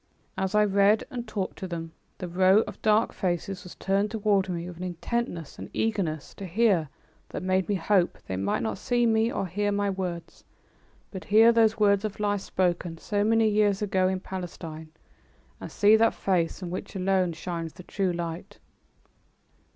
As I read and talked to them, the row of dark faces was turned toward me with an intentness and eagerness to hear that made me hope they might not see me or hear my words, but hear those words of life spoken so many years ago in Palestine, and see that Face from which alone shines the true light.